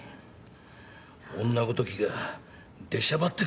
女ごときが出しゃばってくるな！